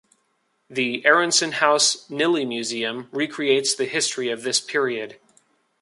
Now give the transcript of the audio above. The Aaronsohn House-Nili Museum recreates the history of this period.